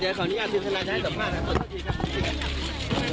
เดี๋ยวขนาดนี้ให้สอบภาพคุณเตรียมชัยครับ